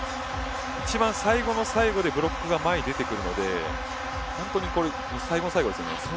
一番最後の最後でブロックが前に出てくるので本当に最後の最後ですよね。